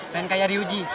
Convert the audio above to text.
pengen kayak yaryuji